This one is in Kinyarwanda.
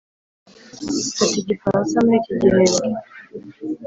mfata igifaransa muri iki gihembwe.